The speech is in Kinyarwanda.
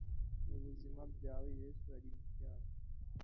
Mu buzima bwa Yesu yari yarabaye i Nazareti y'i Galilaya